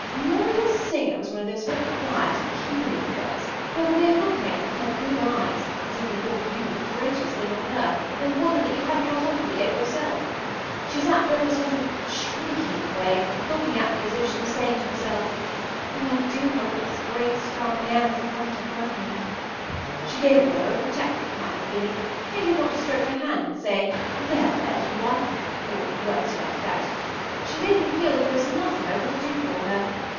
” Muriel Singer was one of those very quiet, appealing girls who have a way of looking at you with their big eyes as if they thought you were the greatest thing on earth and wondered that you hadn’t got on to it yet yourself. She sat there in a sort of shrinking way, looking at me as if she were saying to herself, “Oh, I do hope this great strong man isn’t going to hurt me.” She gave a fellow a protective kind of feeling, made him want to stroke her hand and say, “There, there, little one!” or words to that effect. She made me feel that there was nothing I wouldn’t do for her.